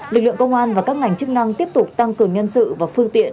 lực lượng công an và các ngành chức năng tiếp tục tăng cường nhân sự và phương tiện